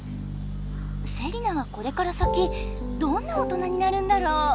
セリナはこれから先どんな大人になるんだろう？